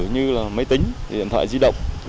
như là máy tính điện thoại di động